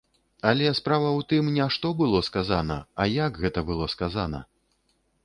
Але справа ў тым, не што было сказана, а як гэта было сказана.